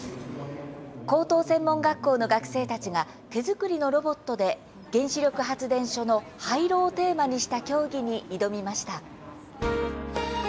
高等専門学校の学生たちが手作りのロボットで原子力発電所の廃炉をテーマにした競技に挑みました。